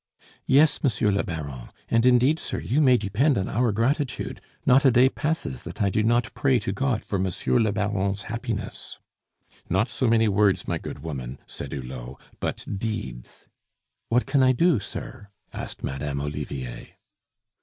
"Yes, Monsieur le Baron; and indeed, sir, you may depend on our gratitude. Not a day passes that I do not pray to God for Monsieur le Baron's happiness." "Not so many words, my good woman," said Hulot, "but deeds " "What can I do, sir?" asked Madame Olivier.